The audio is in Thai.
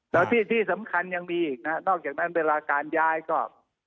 แล้วที่สำคัญยังมีอีกนะฮะนอกจากนั้นเวลาการย้ายก็